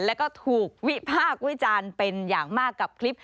แล้วก็ถูกวิพากษ์วิจารณ์เป็นอย่างมากกับคลิป